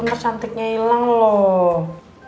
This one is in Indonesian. ntar cantiknya hilang loh